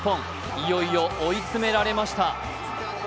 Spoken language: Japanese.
いよいよ追い詰められました。